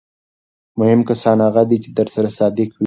مهم کسان هغه دي چې درسره صادق وي.